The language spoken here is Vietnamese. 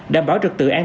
đảm bảo trật tự an